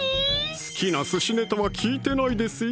好きなすしネタは聞いてないですよ